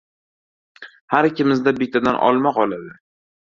har ikkimizda bittadan olma qoladi.